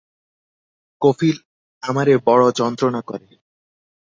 কফিল আমারে বড় যন্ত্রণা করে।